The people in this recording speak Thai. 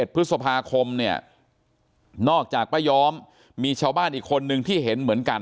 พฤษภาคมเนี่ยนอกจากป้าย้อมมีชาวบ้านอีกคนนึงที่เห็นเหมือนกัน